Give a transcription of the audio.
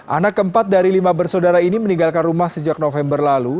anak keempat dari lima bersaudara ini meninggalkan rumah sejak november lalu